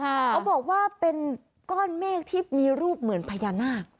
เขาบอกว่าเป็นก้อนเมฆที่มีรูปเหมือนพญานาค